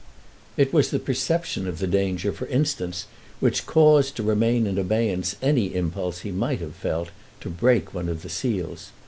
It was the perception of the danger, for instance, which caused to remain in abeyance any impulse he might have felt to break one of the seals.